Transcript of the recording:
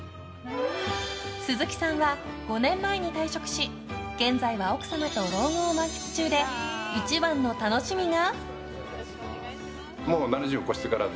鈴木さんは５年前に退職し現在は奥様と老後を満喫中で一番の楽しみが。